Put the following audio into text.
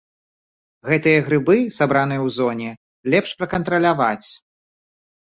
Гэтыя грыбы, сабраныя ў зоне, лепш пракантраляваць.